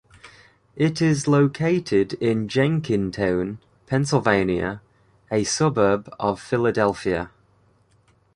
It is located in Jenkintown, Pennsylvania, a suburb of Philadelphia.